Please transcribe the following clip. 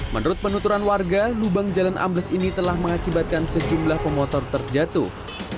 menurut penuturan warga lubang jalan ambles ini telah mengakibatkan sejumlah pemotor terjatuh